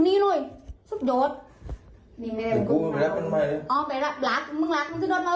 อันนี้มันก่อนที่จะเกิดเรื่องค่ะพี่อุ๋ยคุณผู้ชมค่ะ